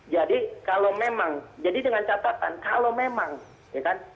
jadi kalau memang jadi dengan catatan kalau memang ya kan